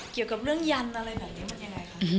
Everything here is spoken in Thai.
เกี่ยวกับเรื่องยันต์อะไรแบบนี้มันยังไงคะ